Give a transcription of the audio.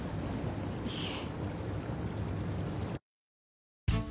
いえ。